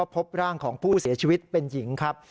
พบร่างของผู้เสียชีวิตเป็นหญิงครับ